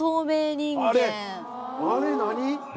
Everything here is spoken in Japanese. あれ何？